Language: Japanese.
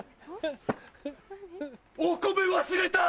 お米忘れた！